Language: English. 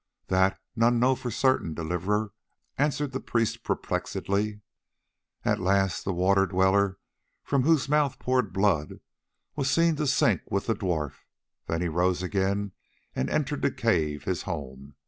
"That none know for certain, Deliverer," answered the priest perplexedly. "At last the Water Dweller, from whose mouth poured blood, was seen to sink with the dwarf; then he rose again and entered the cave, his home.